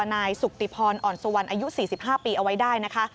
นายสุติพรอ่อนสุวรรณอายุ๔๕ปีเอาไว้ได้นะคะ